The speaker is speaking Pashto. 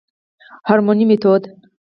هورموني ميتود